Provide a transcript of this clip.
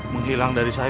menghilang dari saya